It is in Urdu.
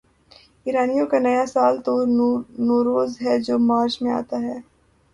ایرانیوں کا نیا سال تو نوروز ہے جو مارچ میں آتا ہے۔